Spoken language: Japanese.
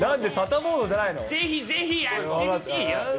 ぜひぜひ、やってみてよ。